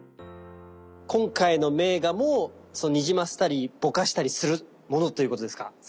今回の名画もにじませたりぼかしたりするものということですか？